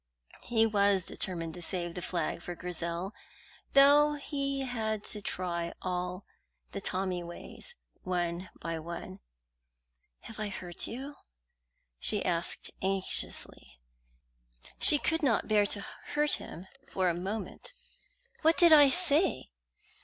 He was determined to save the flag for Grizel, though he had to try all the Tommy ways, one by one. "Have I hurt you?" she asked anxiously. She could not bear to hurt him for a moment. "What did I say?"